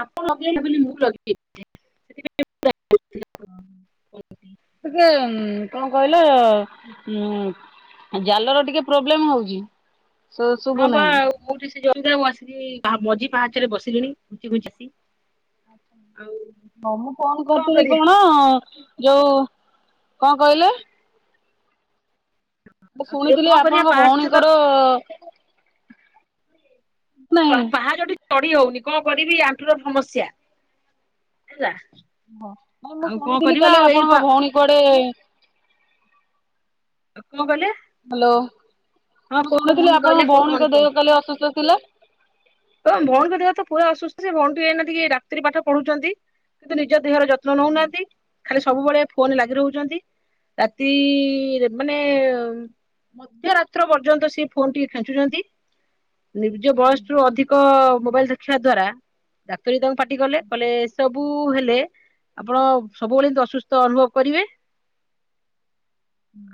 ଆପଣ ଲଗେଇଲେ ବୋଲି ମୁଁ ଲଗେଇଲି। ଟିକେ ଉଁ କଣ କହିଲ ଉଁ ଜାଲର ଟିକେ ପ୍ରୋବ୍ଲେମ ହଉଛି। ଶୁ ଶୁଭୁ ନାହିଁ। ଜଗିଥାଅ ମୁଁ ଆସିଲି ମଝି ପାହାଚରେ ବସିଲିଣି ଟିକେ ଘୁଞ୍ଚି ଯାଆତି ହଁ ମୁଁ ଫୋନ୍ କରିଥିଲି କଣ? ଯୋଉ କଣ କହିଲେ? ମୁ ଆଉ ସେ କଣ ଶୁଣିଥିଲି କରିବା ଆପଣଙ୍କ ପାହାଚ ତ ଭଉଣୀଙ୍କର ଅ ପା ନାହିଁ ପାହାଚଟି ଚଢି ହଉନି କଣ କରିବି ଆଣ୍ଠୁ ର ସମସ୍ୟା ହେଲା। ହଁ, ହଁ ମୁଁ ଆଉ କଣ ଶୁଣିଥିଲି କରିବା କାଲି ଆଉ ଏଇ ଆପଣଙ୍କ ଭଉଣୀ କୁଆଡେ କଣ କହିଲେ ହ୍ୟାଲୋ, ହଁ ମୁଁ କୋଉ ଶୁଣିଥିଲି ଭଉଣୀ କହିଲେ ଆପଣଙ୍କ କୋଉ ଭଉଣୀଙ୍କ ଦେହ କାଲି ଅସୁସ୍ଥ ଥିଲା। ତୋମ ଭଉଣୀଙ୍କ ଦେହ ତ ପୁରା ଅସୁସ୍ଥି। ଭଉଣୀ ଟି ଏଇନା ଟିକେ ଡାକ୍ତରୀ ପାଠ ପଢୁଛନ୍ତି। କିନ୍ତୁ ନିଜ ଦେହର ଯତ୍ନ ନଉନାହାନ୍ତି। ଖାଲି ସବୁବେଳେ ଫୋନ୍ ଲାଗି ରହୁଚନ୍ତି। ରାତି ରେ ମାନେ ମଧ୍ୟରାତ୍ର ପର୍ଯ୍ୟନ୍ତ ସିଏ ଫୋନ୍ ଟି ଖେଚୁଚନ୍ତି। ନିଜ ବୟସ ରୁ ଅଧିକ ମୋବାଇଲ୍ ଦେଖିବା ଦ୍ଵାରା ଡାକ୍ତରୀ ତାଙ୍କୁ ପା ଟି କଲେ କଲେ ଏ ସବୁ ହେଲ ଲେ ଆପଣ ସବୁବେଳେ ଅସୁସ୍ଥ ଅନୁଭବ କରିବେ।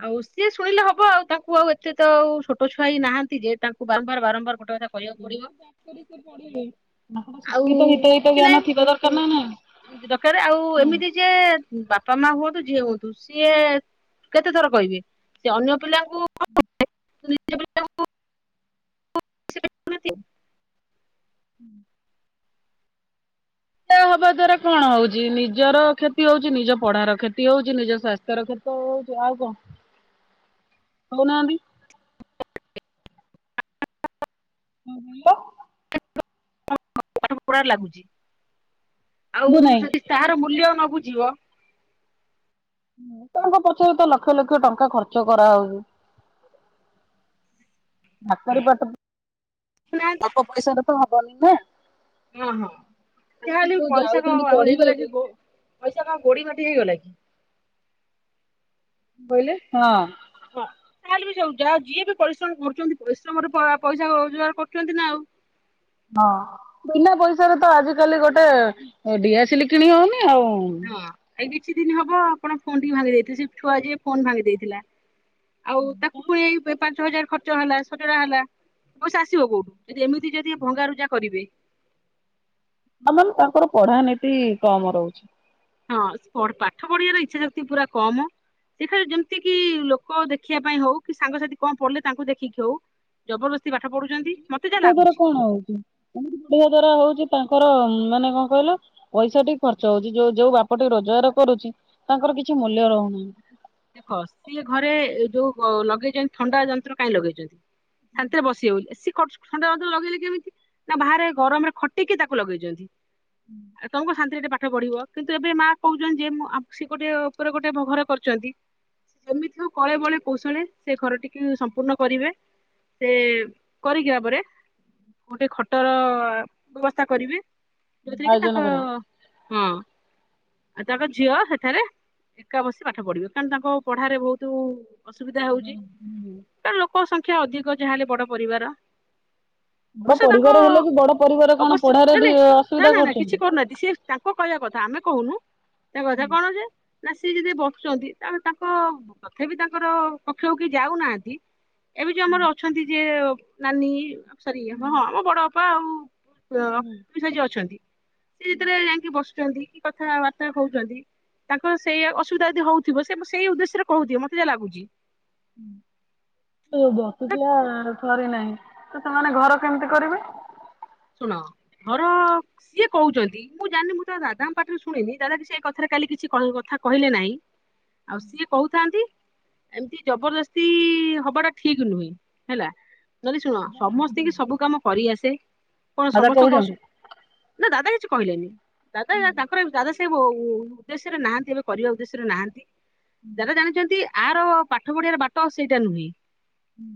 ଆଉ ସିଏ ଶୁଣିଲେ ହ ବ ଆଉ ତାକୁ ଆଉ ଏତେ ତ ଆଉ ଛୋଟ ଛୁଆ ହେଇ ନାହାନ୍ତି ଯେ ତାଙ୍କୁ ବାରମ୍ବାର ବାରମ୍ବାର ଗୋଟେ କଥା କହିବାକୁ ପଡିବ। ନା ମ ଆଉ ସେତିକି ତ ହିତ ହିତ କିଛି ନାହିଁ ଜ୍ଞାନ ଥିବା ଦରକାର ନା ନାଇଁ। ଦରକାର ଆଉ ଏମିତି ଯେ ବା ପା ମା ହୁଅନ୍ତୁ ଜିଏ ହୁଅନ୍ତୁ ସିଏ କେତେ ଥର କହିବେ ସେ ଅନ୍ୟ ପିଲାଙ୍କୁ [inaudible] [inaudible] ହୁଁ। ତହ ହବା ଦ୍ଵାରା କଣ ହଉଚି, ନିଜର କ୍ଷତି ହଉ, ଚି ନିଜ ପଢାର କ୍ଷତି ହଉଚି, ନିଜ ସ୍ୱାସ୍ଥ୍ୟର କ୍ଷତି ହଉଚୁ। ଆଉ କଣ କହୁନାହାନ୍ତି? କଣ କହିଲ? [inaudible] ପାଠପଢା ଲାଗୁଚି ବୁ ଆଉ ନାହିଁ ଯଦି ତାହାର ମୂଲ୍ୟ ନବୁ ଯିବ। ତାଙ୍କ ପଛରେ ତ ଲକ୍ଷ ଲକ୍ଷ ଟଙ୍କା ଖର୍ଚ୍ଚ କରାହଉଚୁ। [inaudible] ଡାକ୍ତରୀ ଅଳ୍ପ ପଇସାାରେ ତ ହବନି ନା। ହଁ, ହଁ। ସେ ଯାହେଲେ ବି ଯୋଉ ପଇସା କଣ ଯାଉଛନ୍ତି ଆଉ ହେଇଗଲା ପଢିବାକୁ କି ଗୋ ପଇସା କଣ ଗୋଡି ମାଟି ହେଇଗଲା କି। ବୋଇଲେ ହଁ। ଅଁ, ତାହେଲେ ବି ସବୁ ଯାହା ଯିଏ ବି ପରିଶ୍ରମ କରୁଚନ୍ତି ପରିଶ୍ରମ ର ପଳା ପଇସା କ ରୋଜଗାର କରୁଚନ୍ତି ନା ଆଉ। ହଁ ବିନା ପଇସାାରେ ତ ଆଜିିକାଲି ଗୋଟେ ଏ ଡିଆସିଲି କିଣି ହଉନି। ଏ ଆଉ ହଁ ଏଇ କିଛି ଦିନ ହବ ଆପଣ ଫୋନ୍ ଟି ଭାଙ୍ଗି ଦେଇଥିବେ। ସେ ଛୁଆ ଯିଏ ଫୋନ୍ ଭାଙ୍ଗି ଦେଇଥିଲା। ଆଉ ତାକୁ ପୁଣି ଏଇ ପାଞ୍ଚ ହଜାର ଖର୍ଚ୍ଚ ହେଲା ସଜଡା ହେଲା। ପଇସା ଆସିବ କୋଉଠୁ? ଯଦି ଏମିତି ଯଦି ଭଙ୍ଗାରୁଜା କରିବେ। ଆ ମେନ ତାଙ୍କର ପଢା ନିତି କମ ରହୁଛି। ହଁ ପଢ ପାଠ ପଢିବାର ଇଚ୍ଛା ଶକ୍ତି ପୁରା କମ। ସେ ଫେର ଯେମତି କିି ଲୋକ ଦେଖିବା ପାଇଁ ହଉ। କି ସାଙ୍ଗସାଥି କଣ ପଢିଲେ ତାଙ୍କୁ ଦେଖିକି ହଉ। ଜବରଦସ ତାଙ୍କ ଦ୍ଵାରା କଣ ହଉଚୁ? [unintelligible] ଏମିତି ପଢିବା ଦ୍ଵାରା ହଉଚି ତାଙ୍କର ଉଁ ମାନେ କଣ କହିଲ ପଇସା ଠି ଖର୍ଚ୍ଚ ହଉଚି ଯୋଉ ଯୋଉ ବାପା ଟି ରୋଜଗାର କରୁଚି ତାଙ୍କର କିଛି ମୂଲ୍ୟ ରହୁନା ଦେଖ ସିଏ ଘରେ ଯୋଉ ଅ, ଲଗେଇଚନ୍ତି। ଥଣ୍ଡା ଯନ୍ତ୍ର କାଇଁ ଲଗେଇଚନ୍ତି? ଶାନ୍ତିରେ ବସିବେ ବୋଲି ଏ ସି ଫର୍ଚ ଥଣ୍ଡା ଯନ୍ତ୍ର ଲଗେଇଲେ କେମିତି ନା ବାହାରେ ଗରମରେ ଖଟିକି ତାକୁ ଲଗେଇଚନ୍ତି। ଏ ତୋମକୁ ଶାନ୍ତିରେେ ଟିକେ ପା ପାଠ ପଢିବ କିନ୍ତୁ ଏବେ ମା କହୁଚନ୍ତି ଯେ ମୁ- ଆ, ସେ ଗୋଟେ ଉପରେ ଗୋଟେ ଭ-ଘର କରିଚନ୍ତି। ସେମିତି ହଉ କଳେ ବଳେ କୌଶଳେ ସେ ଘର ଟିକେ ସମ୍ପୂର୍ଣ୍ଣ କରିବେ। ସେ କରିକିି ବା ପରେ ଗୋଟେ ଖଟର ବ୍ୟବସ୍ଥା କରିବେ। ଯାଉଥିରେ କି ଆୟୋଜନ ତାଙ୍କ କରେ ହଁ। ଆଉ ତାଙ୍କ ଝିଅ ସେଠାରେ ଏକା ବସି ସେ ପାଠ ପଢିବେ କାରଣ ତାଙ୍କ ପଢାରେ ବହୁତୁ ଅସୁବିଧା ହଉଚି। ତ ଲୋକ ସଂଖ୍ୟା ଅଧିକ ଯାହା ହେଲେ ବଡ ପରିବାର। ବଡ ଅବଶ୍ୟ ତାଙ୍କ ପରିବାର ହେଲେ ବି ବଡ ପରିବାର କଣ ଅବଶ୍ୟ ପଢାରେ ନାଇଁ ବି ନାଇଁ ଅସୁବିଧା ନା ନା କିଛି କରୁଛନ୍ତି। କରୁନାହାନ୍ତି। ସିଏ ତାଙ୍କ କହିବା କଥା ଆମେ କହୁନୁ ତା କଥା କଣ ଯେ ନା ସିଏ ଯଦି ବ ସୁଚନ୍ତି ଆ ତାଙ୍କ ତଥା ବି ତାଙ୍କର କକ୍ଷକୁ କେଇ ଯାଉ ନାହାନ୍ତି। ଏବେ ଯୋଉ ଆମର ଅଛନ୍ତି ଯେ ନାନୀ ସରି ହଁ ହଁ ଆମ ବଡ ଅପା ଆଉ। ଅ ଅଫିସ ଯିଏ ଅଛନ୍ତି ସିଏ ଯେତବେଳେ ଯାଇକିଁ ବସ କରୁଚନ୍ତି କି କଥାବାର୍ତ୍ତା ହଉଚନ୍ତି ତାଙ୍କର ସେଆ ଅସ ଅସୁବିଧା ଯଦି ହଉଥିବ ସେ ପା ସେଇ ଉଦ୍ଦେଶ୍ୟରେ କହୁଥିବେ ମତେ ଯା ଲାଗୁଚି। ଉଁ ଏ ଯୋଉ ବସିଥିଲା ଥରେ ନାହିଁ। ତ ସେମାନେ ଘର କେମିତି କରିବେ? ଶୁଣ ଘର ସିଏ କହୁଚନ୍ତି ମୁଁ ଜାଣିନି। ମୁଁ ତ ଦାଦାଙ୍କ ପାଟିରୁ ଶୁଣିନି ଦାଦା ବି ସେଇ କଥାରେ କାଲି କିଛି କି କ କଥା କହିଲେ ନାହିଁ। ଆଉ ସିଏ କହୁଥାନ୍ତି ଏମତି ଜବରଦସ୍ତି ହବା ଟା ଠିକ ନୁହେଁ ହେଲା। ଯଦି ଶୁଣ ସମସ୍ତି କି ସବୁ କାମ କରି ଆସେ। କଣ ଦାଦା ସମସ୍ତଙ୍କ ଅସ କହୁଛନ୍ତି ନା ଦାଦା କିଛି କହିଲେନି। ଦାଦା ତାଙ୍କର ଏ ଦାଦା ସେ ସେ ବୋଉ ଉଦ୍ଦେଶ୍ୟରେ ନାହାନ୍ତି ଏବେ କରିବା ଉଦ୍ଦେଶ୍ୟରେ ନାହାନ୍ତି। ଦାଦା ଜାଣିଚନ୍ତି ଆର ପାଠ ପଢିବାର ବାଟ ଆଉ ସେଇଟା ନୁହେଁ। ହୁଁ।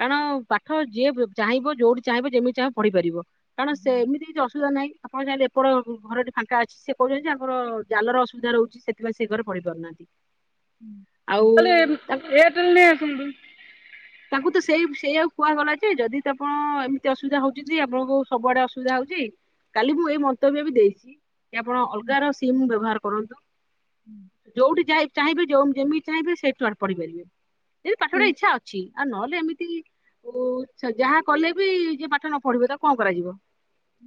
କାରଣ ପାଠ ଯିଏ ବ ଚାହିଁବ ଯୋଉଠି ଚାହିଁବ ଯେମିତି ଚାହିଁବ ପଢ଼ିପାରିବ। କାରଣ ସେମିତି କିଛି ଅସୁବିଧା ନାହିଁ। ଆପଣ ଚାହିଁଲେ ଏପଟ ଘରଟି ଫାଙ୍କା ଅଛି ସେ କହୁଚନ୍ତି ଯେ ଆଙ୍କର ଜାଲର ଅସୁବିଧା ରହୁଚି ସେଥିପାଇଁ ସେ ଘରେ ପଢେଇ ପାରୁନାହାନ୍ତି। ଉଁ ଆଉ କଲେ ଏୟାରଟେଲ ନେଇ ଆସନ୍ତୁ। ତାଙ୍କୁ ତ ସେଇ ସେଇଆଉକୁ କୁହାଗଲା ଯେ ଯଦି ତ ଆପଣ ଏମିତି ଅସୁବିଧା ହଉଚି ଯେ ଆପଣଙ୍କୁ ସବୁଆଡେ ଅସୁବିଧା ହଉଚି। କାଲି ମୁଁ ଏଇ ମନ୍ତବ୍ୟ ବି ଦେଇଚି। କି ଆପଣ ଅଲଗା ର ସିମ୍ ବ୍ୟବହାର କରନ୍ତୁ। ଯୋଉଠି ଯାଇ ଚାହିଁବେ ଯୋଉଁ ଯେମିତି ଚାହିଁବେ ସେଠୁ ଆ ପଢି ପାରିବେ। ଯଦି ପାଠ ପଡିବାର ଇଛା ଆଉ ନହେଲେ ଓ ଏମିତି ଯାହା କଲେ ବି ଯିଏ ପାଠ ନ ପଢିବ ତାକୁ କଣ କରାଯିବ।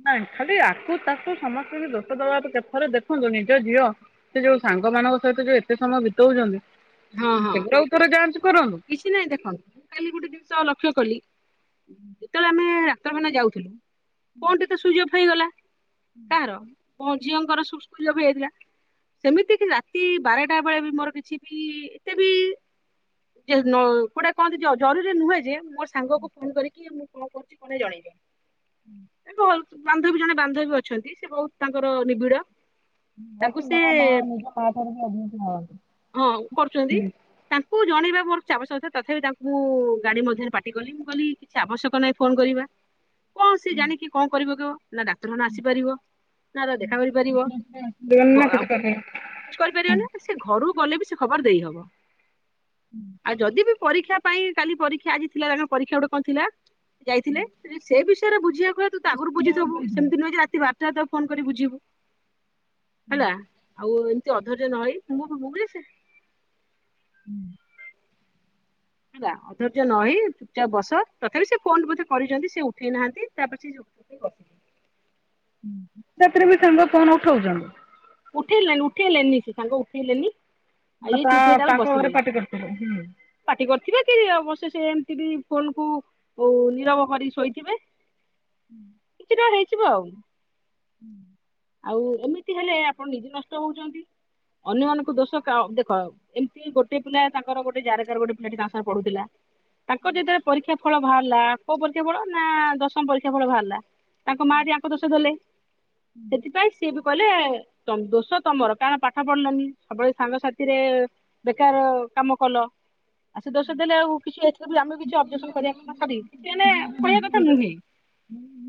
ନାଉଁ ଖାଲି ଆକୁ ତାକୁ ସମସ୍ତଙ୍କି ଦୋଷ ଦେବା ଅପେକ୍ଷା ଥରେ ଦେଖନ୍ତୁ। ନିଜ ଝିଅ ସେ ଯୋଉ ସାଙ୍ଗ ମାନଙ୍କ ସହିତ ଯୋଉ ଏତେ ସମୟ ବିତଉଚନ୍ତି। ହଁ ହଁ କିଛି ନାଇଁ ଦେଖନ୍ତୁ ମୁଁ କାଲି ଗୋଟେ ଦିନ ସ ଲକ୍ଷ୍ୟ କଲି ଯେତେବେଳେ ଆମେ ଡାକ୍ତରଖାନା ଯାଉଥିଲୁ। ଫୋନ୍ ଟି ତ ସୁଇଚ୍ ଅଫ୍ ହେଇଗଲା। କାହାର ମୋ ଝିଅଙ୍କର ସବ୍ ସୁଇଚ୍ ଅଫ୍ ହେଇଯାଇଥିଲା। ସେମିତି କି ରାତି ବାରଟା ବେଳେ ବି ମୋର କିଛି ପି ଏତେ ବି ଯେ ନ କୋଉଟା କହନ୍ତି ଜ-ଜରୁରୁୀ ନୁହେଁ ଯେ। ମୋର ସେ ସାଙ୍ଗକୁ ଫୋନ୍ କରିକି ମୁଁ କଣ କରୁଚି କଣ ନାହିଁ ଜଣେଇବି। ଏ ଭଲ ବାନ୍ଧବୀ ଜଣେ ବାନ୍ଧବୀ ଅଛନ୍ତି ସେ ବହୁତ ତାଙ୍କର ନିବିଡ। ତାଙ୍କୁ ମତେ ସେ ମା-ମା ନିଜ ମା ଠାରୁ ବି ଅଧିକ ସେ ଭାବନ୍ତି। ହଁ କରୁଚନ୍ତି ତାଙ୍କୁ ଜ ଜଣେଇବା ମୋର କିଛି ଆବଶ୍ୟକତା ତଥାପି ତାଙ୍କୁ ମୁଁ ଗାଡି ମଧ୍ୟରେ ପାଟି କଲି। ମୁଁ କଇଲି କିଛି ଆବଶ୍ୟକ ନାହିଁ ଫୋନ କରିବା। କଣ ସେ ଜାଣିକି କଣ କରି ପକେଇବ? ନା ଡାକ୍ତରଖାନା ଆସିପାରିବ ନା ତା ଦେଖା କରିପାରିବ। ବ ଆବ କିଛି କରିପାରିବନି ବା ସେ ଘରକୁ ଗଲେ ବି ସେ ଖବର ଦେଇ ହବ। ଆଉ ଯଦି ବି ପରୀକ୍ଷା ପାଇଁ କାଲି ପରୀକ୍ଷା ଆଜି ଥିଲା ତାଙ୍କର ପରୀକ୍ଷା ଗୋଟେ କଣ ଥିଲା। ଯାଇଥିଲେ ସ ସେ ବିଷୟରେ ବୁଝିବାକୁ ହୁଏ ତୁ ତ ଆଗରୁୁ ବୁଝିଥବୁ। ସେମତି ନୁହେଁ ଯେ ରାତି ବା ରା ଟାରେ ତ ଫୋନ କରି ବୁଝିବୁ ହେଲା। ଆଉ ଏମତି ଅଧୈୟ୍ଯ ନ ହୋଇ ମୁଁ ବି ମୁଁ ବି ସେ [inaudible] ହୁଁ। ହେଲା ଅଧୈର୍ଯ୍ୟ ନ ହେଇ ଚୁପଚାପ ବସ ତଥାପି ସେ ଫୋନ ବୋଧେ କରିଛନ୍ତି ସେ ଉଠେଇ ନାହାନ୍ତି ତାପରେ ସେଯଉ ସି [inaudible] ରାତିରେ ବି ସେମିତି କଣ ଫୋନ ଉଠଉଛନ୍ତି। ଉଠେଇଲେନି ଉଠେଇଲେନି ସେ ସାଙ୍ଗ ଉଠେଇଲେନି। ଆଉ ଇଏ ତା ଚୁପ ହେଇ ତାପରେ ତାଙ୍କ ଘରେ ବସିଲେ ପାଟି କରିଥିଲେ ହୁଁ। ପାଟି କରିଥିବେ। ବସେ ସେ ଏମିତି ବି ଫୋନ କୁ ନିରବ କରି ଶୋଇଥିବେ। ହୁଁ। ହେଇଯିବ ଆଉ। ହୁଁ। ଆଉ ଏମିତି ହେଲେ ଆପଣ ନିଜେ ନଷ୍ଟ ହଉଚନ୍ତି ଅନ୍ୟମାନଙ୍କୁ ଦୋଷ ଦେଖ ଏମିତି ଗୋଟେ ପିଲା ତାଙ୍କର ଗୋଟେ ଯାରକା ରେ ଗୋଟେ ପିଲା ତା ସାଙ୍ଗେ ପଢୁଥିଲା। ତାଙ୍କ ଯେତେବେଳେ ପରୀକ୍ଷା ଫଳ ବାହାରିଲା ଆ ପରୀକ୍ଷା ଫଳ ନା ଦଶମ ପରୀକ୍ଷା ଫଳ ବାହାରିଲା। ତାଙ୍କ ମା ଆଜି ଆଙ୍କ ଦୋଷ ଦେଲେ। ସେଥିପାଇଁ ସିଏ ବି କହିଲେ ଦୋଷ ତମର କାରଣ ପାଠ ପଢିଲାନି ସବୁବେଳେ ସାଙ୍ଗସାଥିରେ କାର କାମ କଲ। ଆ ସେ ଦୋଷ ଦେଲେ ଆଉ କିଛି ଏ ଆମ କିଛି ଅବଜେକ୍ସନ କରିବା କଥା ନୁହେଁ ମାନେ କହିବା କଥା ନୁହେଁ।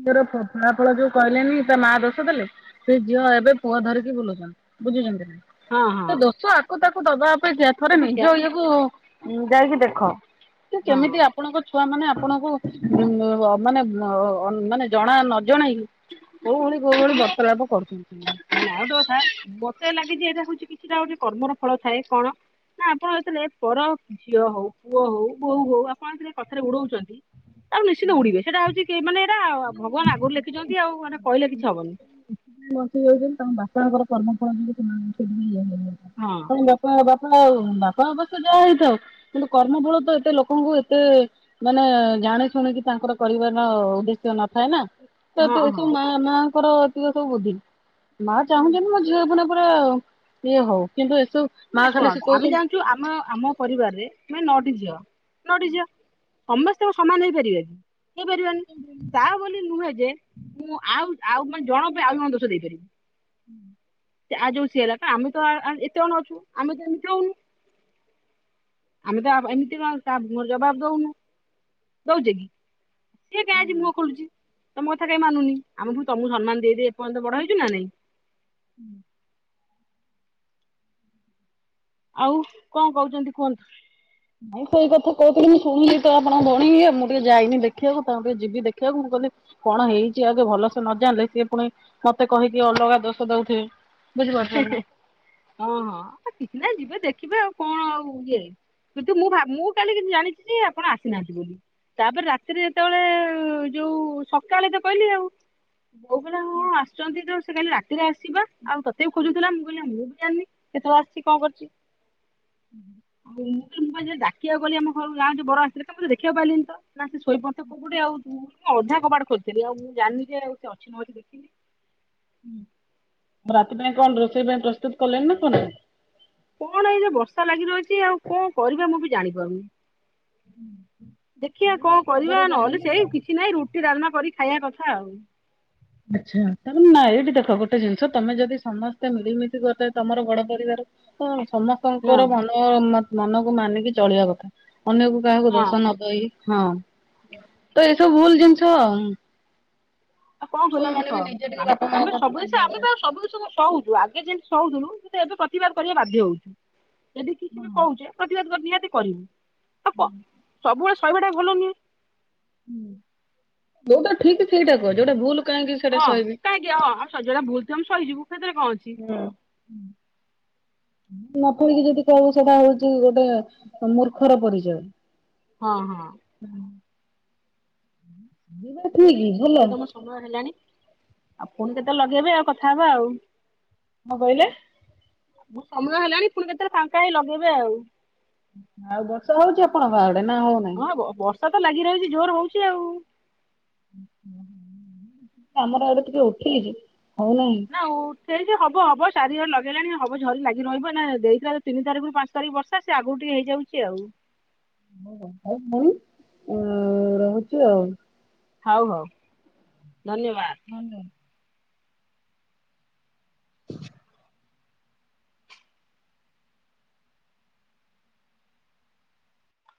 ମୋର ଫଳା ଫଳ ଯୋଉ କହିଲେନି ତା ମା ଦୋଷ ଦେଲେ ସେ ଝିଅ ଏବେ ପୁଅ ଧରିକି ବୁଲୁଛନ୍ତି ବୁଝୁଛନ୍ତି ନା? ହଁ ହଁ ସେ ଦୋଷ ଆକୁ ତାକୁ ଦବା ଅପେକ୍ଷା ଥରେ ଅପେକ୍ଷା ନିଜ ଇଏ କୁ ଯାଇକି ଦେଖ। ତ ହଁ କେମିତି ଆପଣଙ୍କ ଛୁଆ ମାନେ ଆପଣଙ୍କୁ ମାନେ ମାନେ ଜଣା ନ ଜଣେଇକି କୋଉ ଭଳି କୋଉ ଭଳି ବର୍ତ୍ତାଲାପ କରୁଛନ୍ତି। ନା ନା ଆଉ ଗୋଟେ କଥା ମତେ ଲାଗେ ଯେ ଏଇଟା ହଉଛି କିଛିଟା ଗୋଟେ କର୍ମର ଫଳ ଥାଏ କଣ। ନା ଆପଣ ଯେତେବେଳେ ପର ଝିଅ ହଉ ପୁଅ ହଉ ବୋହୁ ହଉ ଆପଣ ଯେବେ କଥାରେ ଉଡଉଛନ୍ତି। ଆଉ ନିଶ୍ଚିନ୍ତ ଉଡିବେ ସେଇଟା ହଉଛି ମାନେ ଏଇଟା ଭଗବାନ ଆଗରୁ ଲେଖିଛନ୍ତି ଆଉ ମାନେ କହିଲେ କିଛି ହବନି। [unintelligible] ତାଙ୍କ ବାପାଙ୍କର କର୍ମ ଫଳ ଯୋଗୁଁ ସେମାନେ ସେମିତି ହେଇନାହାନ୍ତି ହଁ ତାଙ୍କ ବାପା ବାପା ଆଉ ବାପାଙ୍କ ଅବସ୍ଥା ଯାହା ହେଇଥାଉ କିନ୍ତୁକର୍ମ ଫଳ ତ ଏତେ ଲୋକଙ୍କୁ ଏତେ ମାନେ ଜାଣ ଶୁଣିକି ତାଙ୍କର କହିବାର ଉଦ୍ଦେଶ୍ୟ ନଥାଏ ନା ତ ହଁ ଏ ସବୁ ହଁ ମା ମା ର ସବୁ ବୁଦ୍ଧ ମା ଚାହୁଁଛନ୍ତି ମୋ ଝିଅ ପୁଣି ପୁରା ଇଏ ହଉ କିନ୍ତୁ ଏସବୁ ମା ନା ଖାଲି ସେ ଶୁଣନ୍ତୁ ଆମେ କହୁଛନ୍ତି ଜାଣିଛୁ ଆମ ଆମ ପରିବାରରେ ମାନେ ନଅଟି ଝିଅ ନଅଟି ଝିଅ। ସମସ୍ତେ ସମାନ ହେଇପାରିବ କି ହେଇପାରିବାନି ତା ବୋଲି ନୁହେଁ ଯେ ମୁଁ ଆଉ ଆଉ ମାନେ ଜଣ ଆଉ ଜଣ ଦୋଷ ଦେଇପାରିବି। ହୁଁ। ଆ ଯୋଗୁ ସିଏ ହେଲାକା ଆମେ ତ ଏତେ କଣ ଅଛୁ ଆମେ ତ ଏମିତି ହଉନୁ। ଆମେ ତ ଏମିତି କଣ ମୋର ଜବାବ ଦଉନୁ ଦଉଚେ କି? ସେ କାଇଁ ଆଜି ମୁହଁ ଖୋଲୁଛି। ତମ କଥା କାଇଁ ମାନୁନି ଆମେ ପୁଣି ତମକୁ ସମ୍ମାନ ଦେଇ ଦେଇ ଏପର୍ଯ୍ୟନ୍ତ ବଡ ହେଇଚୁ ନା ନାଇଁ। ହୁଁ ଆଉ କଣ କହୁଛନ୍ତି କୁହନ୍ତୁ? ନାଇଁ ସେଇ କଥା କହୁଥିଲି ମୁଁ ଶୁଣିଲି ତ ଆପଣଙ୍କ ଭଉଣି ଇଏ ମୁଁ ଟିକେ ଯାଇନି ଦେଖିବାକୁ ତାଙ୍କୁ ଟିକେ ଯିବି ଦେଖିବାକୁ ମୁଁ କ କହିଲି କଣ ହେଇଛି ଆଗେ ଭଲସେ ନ ଜାଣିଲେ କିଏ ପୁଣି ମତେ କହିକି ଅଲଗା ଦୋଷ ଦଉଥେବେ। ହଁ ହଁ ଆଉ କିଛି ନାହି ଯିବେ ଦେଖିବେ ଆଉ କଣ ଆଉ ଇଏ। କିନ୍ତୁ ମୁଁ ଭାବି ମୁଁ କାଲି କି ଜାଣିଛି ଯେ ଆପଣ ଆସିନାହାନ୍ତି ବୋଲି। ତାପରେ ରାତିରେ ଯେତେବେଳେ ଯୋଉ ସକାଳେ ତ କହିଲି ଆଉ। ବୋଉ କହିଲା ହଁ ଆସୁଛନ୍ତି ତ ସେ କାଲି ରାତିରେ ଆସିଚିବା ଆଉ ତ ମତେ ଖୋଜୁଥିଲା ମୁଁ କହିଲି ମୁଁ ବି ଜାଣିନି କେତେବେଳେ ଆସିଛି କଣ କରିଛି। ହୁଁ [inaudible] ହଉଁ ମୁଁ ଡାିବାକୁ ଗଲି ଗାଁ ରେ ଯୋଉ ବର ଆସୁଥିଲା କାଇଁ ଦେଖିବାକୁ ପାଇଲିନି ତ କୋଉଠି ଶୋଇପଡ଼ିଛି ଗୋଟେ ଆଉ। ଅଧା କବାଟ ଖୋଲିଥିଲି । ଆଉ ମୁଁ ଜାଣ୍ ନି ଯେ ଆଉ ସେ ଅଛି ନ ଅଛି ଦେଖିନି । ରାତି ପାଇଁ କଣ ରୋଷେଇ ପାଇଁ ପ୍ରସ୍ତୁତ କଲେଣି ନା କର୍ ନ? କଣ ଏଇ ଯୋଉ ବର୍ଷା ଲାଗି ରହିଛି ଆଉ କଣ କରିବା ମୁଁ କିଛି ଜାଣିପାରୁନି । [inaudible] ଦେଖିଆ କଣ ଖବର କରିବା ନହେଲେ ଜାଣିଲି ତ। ସେଇ, କିଛି ନାହିଁ ରୁଟି ଡାଲମା କରି ଖାଇବା କଥା ଆଉ । ଆଛା । ତାହେଲେ ନା ଏଇଠି ଦେଖ, ଗୋଟେ ଜିନିଷ ତମେ ଯଦି ସମସ୍ତେ ମିଳିମିଶି ଗୋଟେ ତମର ବଡ ପରିବାର- [inaudible] ହଁ ସମସ୍ତଙ୍କର ମନ ମତ୍ ମନକୁ ମାନିକି ଚଳିବା କଥା । ଅନ୍ୟକୁ କାହାକୁ ହଁ ଦୋଷ ନଦେଇ- ହଁ । [inaudible] ଭୁଲ ଜିନିଷ ଆଉ- । ଆଉ କଣ କରିବା ଦେଖ? ଆମ୍- ଆମେ ସବୁ କିଛି [unintelligible] ଆମେ ସବୁ ଜିନ୍ ଷକୁ ଚଅ [unintelligible] ଉଛୁ ଆଗେ ଯେମ-୍ ଶଉଥିଲୁ କିନ୍ତୁ ଏବେ ପ୍ରତିବାଦ କରିବା ବାଧ୍ୟ ହଉଛୁ । ଯଦି କିଛି ବି କହୁଛେ ପ୍ରତିବାଦ କର୍- ନିହାତି କରିବୁ କ ସବୁବେଳେ ସହିବାଟା ଭଲ ନୁହେଁ । ଯୋଉଟା ଠିକ ସେଇଟା କୁହ । ଯୋଉଟା ଭୁଲ୍- ହଁ କାହିଁକି? ହଁ ଅଁ ସଜଣେ ଭୁଲ ଥିବ ଆମେ ସଇଯିବୁ । ହଁ। ନ କରିକି ଯଦି କହିବୁ, ସେଟା ହଉଛି ଗୋଟେ ମୂର୍ଖର ପରିଚୟ । ହଁ ହଁ। ଯିବା ଠିକ ହଇ, ଭଲ ଯଦି ତମ ସମୟ ହେଲାଣି - ଆଉ ପୁଣି କେତେ ଲଗେଇବ ଆଉ, କଥା ହବା ଆଉ । କଣ କହିଲେ? ମୁ ସମୟ ହେଲାଣି, ପୁଣି କେତେବେଳେ ଫାଙ୍କା ହେଇ ଲଗେଇବ ଆଉ । ଆଉ ବର୍ଷ ହଉଛି ଆପଣଙ୍କ ଆଡେ ନା ହଉନାହିଁ? ହଁ ବ ବର୍ଷା ଲାଗି ରହିଛି, ଜୋର ହଉଛି ଆଉ । ଆମର ଆଡେ ଟିକେ ଉଠେଇଛି । ନା ଉ ଉଠେଇଛି ହବ୍- ହଁ ହବ । ଚାରି ଓଳି ଲଗେଇଲାଣି । ହବ ଝରି ଲାଗି ରହିବ ଅଇନା ଦେଇଥିଲା ତିନି ତାରିଖରୁ ପାଞ୍ଚ୍ ତାରିଖ ବର୍ଷା, ସେ ଆଗରୁ ଟିକେ ହେଇଯାଉଛି ଆଉ । [unintelligible] ଏ ରହୁଛି ଆଉ । ହଉ ହଉ ଧନ୍ୟବା [inaudible]